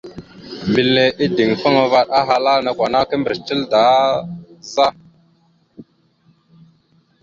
Mbile ideŋfaŋa vaɗ ahala: « Nakw ana kimbirec tal daa za? ».